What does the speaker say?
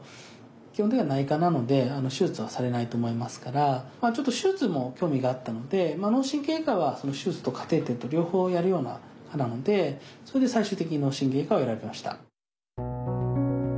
基本的には内科なので手術はされないと思いますからちょっと手術にも興味があったので脳神経外科は手術とカテーテルと両方やるような科なのでそれで最終的に脳神経外科を選びました。